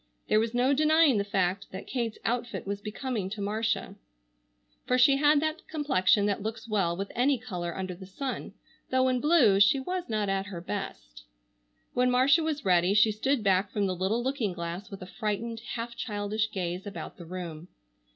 There was no denying the fact that Kate's outfit was becoming to Marcia, for she had that complexion that looks well with any color under the sun, though in blue she was not at her best. When Marcia was ready she stood back from the little looking glass, with a frightened, half childish gaze about the room.